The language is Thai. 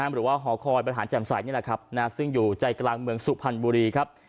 หรือว่าหอคอยบริหารแจ่มใสนี่แหละครับซึ่งอยู่ใจกลางเมืองสุพรรณบุรีครับ